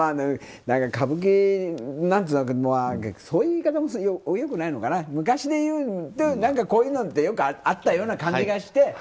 そういう言い方も良くないのかな昔でいうと、こういうのってよくあったような感じがして。